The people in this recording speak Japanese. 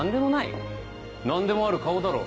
何でもある顔だろ。